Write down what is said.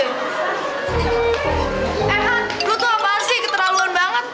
eh han lo tuh apaan sih keterlaluan banget